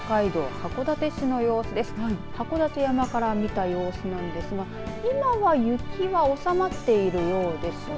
函館山から見た様子なんですが今は雪は収まっているようです。